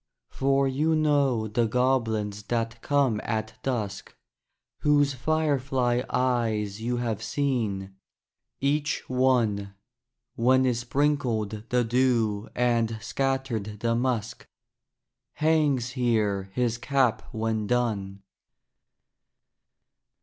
For you know the goblins that come at dusk, Whose firefly eyes you have seen, each one, (When is sprinkled the dew and scattered the musk,) Hangs here his cap when done.